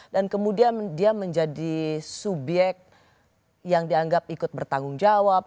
dan kemudian dia menjadi subyek yang dianggap ikut bertanggung jawab